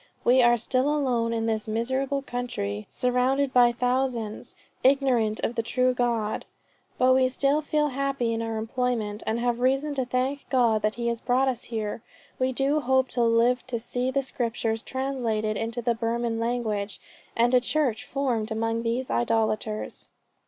We are still alone in this miserable country, surrounded by thousands ignorant of the true God." ... "But we still feel happy in our employment, and have reason to thank God that he has brought us here. We do hope to live to see the Scriptures translated into the Burman language, and a church formed from among these idolaters."